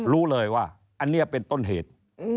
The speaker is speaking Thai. รู้เลยว่าอันนี้เป็นต้นเหตุ